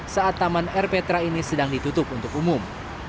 saat taman rp teram ini sedang ditutup untuk umum